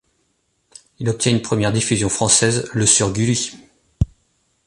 Il obtient une première diffusion française le sur Gulli.